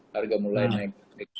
harga mulai naik